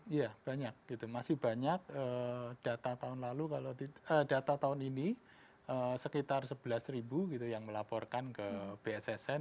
iya banyak gitu masih banyak data tahun lalu kalau data tahun ini sekitar sebelas ribu gitu yang melaporkan ke bssn